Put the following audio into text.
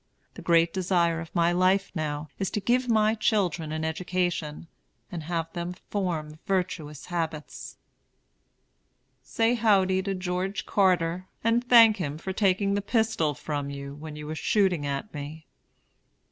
The great desire of my life now is to give my children an education, and have them form virtuous habits. Say howdy to George Carter, and thank him for taking the pistol from you when you were shooting at me.